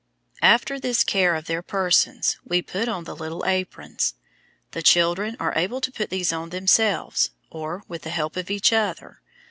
After this care of their persons, we put on the little aprons. The children are able to put these on themselves, or, with the help of each other.